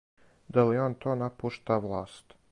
Да ли он то напушта власт?